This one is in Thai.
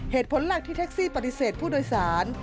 เหตุผลหลักที่แท็กซี่ปฏิเสธผู้โดยสาร